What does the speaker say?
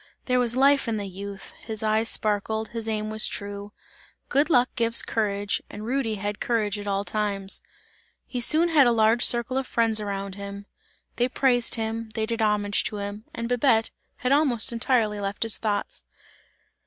There was life in the youth; his eyes sparkled, his aim was true. Good luck gives courage, and Rudy had courage at all times; he soon had a large circle of friends around him, they praised him, they did homage to him, and Babette had almost entirely left his thoughts.